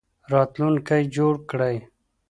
راتلونکی جوړ کړي